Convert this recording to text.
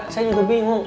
saya juga bingung